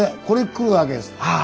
これくるわけですか。